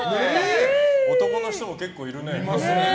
男の人も結構いるね。